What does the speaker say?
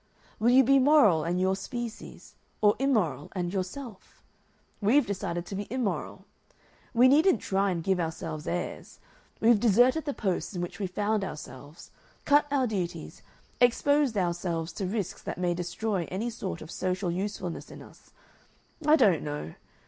"Will you be moral and your species, or immoral and yourself? We've decided to be immoral. We needn't try and give ourselves airs. We've deserted the posts in which we found ourselves, cut our duties, exposed ourselves to risks that may destroy any sort of social usefulness in us.... I don't know.